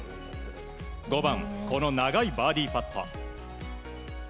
５番、この長いバーディーパット。